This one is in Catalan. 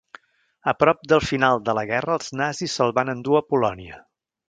A prop del final de la guerra els nazis se'ls van endur a Polònia.